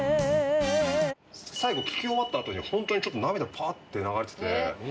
最後聴き終わったあとに本当にちょっと涙がパッて流れてて。